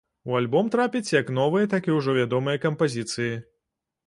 У альбом трапяць як новыя, так і ўжо вядомыя кампазіцыі.